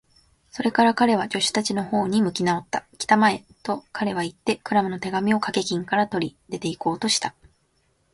それから彼は、助手たちのほうに向きなおった。「きたまえ！」と、彼はいって、クラムの手紙をかけ金から取り、出ていこうとした。